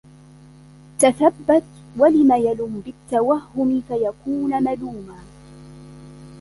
تَثَبَّتَ وَلَمْ يَلُمْ بِالتَّوَهُّمِ فَيَكُونَ مَلُومًا